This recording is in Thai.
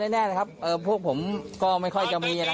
แน่นะครับพวกผมก็ไม่ค่อยจะมีอะไร